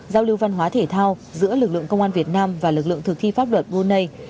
giao lưu văn hóa thể thao giữa lực lượng công an việt nam và lực lượng thực thi pháp luật brunei